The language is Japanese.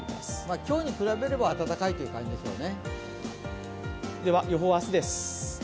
今日に比べれば暖かいという感じですよね。